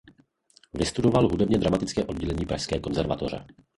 Vystudoval hudebně dramatické oddělení Pražské konzervatoře.